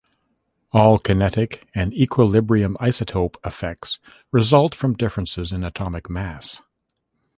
All kinetic and equilibrium isotope effects result from differences in atomic mass.